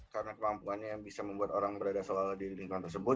karena kemampuannya bisa membuat orang berada seolah olah di lingkungan tersebut